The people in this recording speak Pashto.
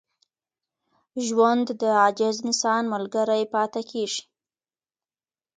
ژوند د عاجز انسان ملګری پاتې کېږي.